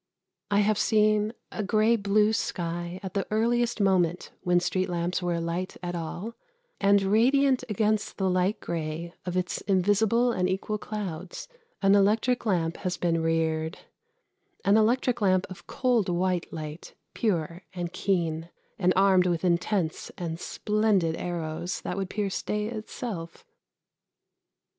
I have seen a grey blue sky at the earliest moment when street lamps were alight at all, and radiant against the light grey of its invisible and equal clouds an electric lamp has been reared: an electric lamp of cold white light, pure and keen, and armed with intense and splendid arrows that would pierce day itself.